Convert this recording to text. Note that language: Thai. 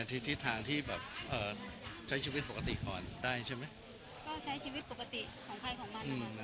ทิศทางที่ใช้ชีวิตปกติก่อนได้ใช่ไหม